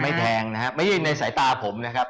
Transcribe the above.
แพงนะครับไม่ใช่ในสายตาผมนะครับ